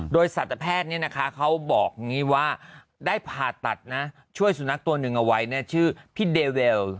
โดยสัตว์แพทย์เนี่ยนะคะเขาบอกว่าได้ผ่าตัดช่วยสุนัขตัวนึงเอาไว้ชื่อพี่เดเวล